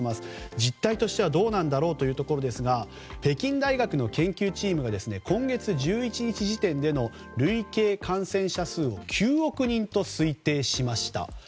実態としてはどうなんだろうというところですが北京大学の研究チームが今月１１日時点での累計感染者数を９億人と推定しました。